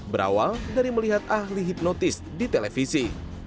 berawal dari melihat ahli hipnotis di televisi